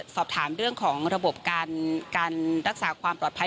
สอบถามเรื่องของระบบการรักษาความปลอดภัย